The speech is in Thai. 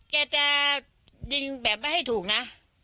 แกจะยิงแบบไม่ให้ถูกนะ